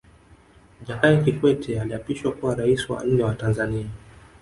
Jakaya Kikwete aliapishwa kuwa Rais wa nne wa Tanzania